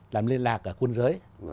làm liên lạc ở quân giới